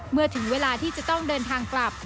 เมื่อถึงเวลาที่จะต้องเดินทางกลับ